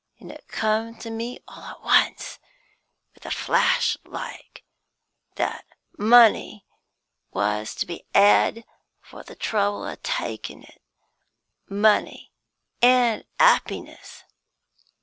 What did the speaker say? An' it come to me all at once, with a flash like, that money was to be 'ad for the trouble o' takin' it money an' 'appiness."